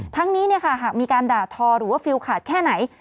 ทั้งนี้หากมีการด่าทอหรือว่าฟิลขาดแค่ไหน